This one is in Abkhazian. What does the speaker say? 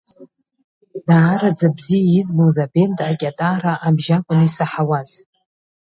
Даараӡа бзиа избоз абенд акьатара абжьы акун исаҳауаз.